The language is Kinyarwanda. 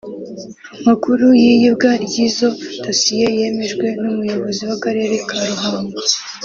Amakuru y’iyibwa ry’izo dosiye yemejwe n’Umuyobozi w’Akarere ka Ruhango